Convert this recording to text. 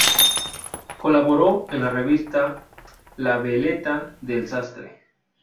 Colaboró en la revista "La Veleta del Sastre".